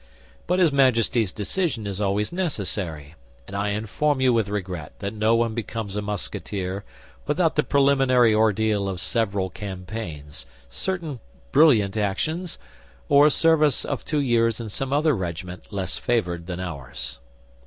But his majesty's decision is always necessary; and I inform you with regret that no one becomes a Musketeer without the preliminary ordeal of several campaigns, certain brilliant actions, or a service of two years in some other regiment less favored than ours."